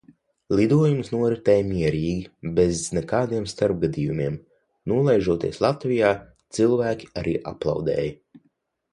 Lidojums noritēja mierīgi, bez nekādiem starpgadījumiem. Nolaižoties Latvijā, cilvēki arī aplaudēja.